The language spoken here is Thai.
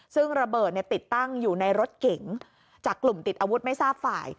ซึ่งระเบิดติดตั้งอยู่ในรถเก๋งจากกลุ่มติดอาวุธไม่ทราบฝ่าย